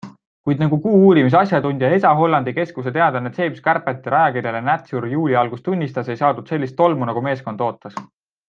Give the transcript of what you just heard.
Kuid, nagu Kuu-uurimise asjatundja, ESA Hollandi keskuse teadlane James Carpenter ajakirjale Nature juuli algul tunnistas, ei saadud sellist tolmu, nagu meeskond ootas.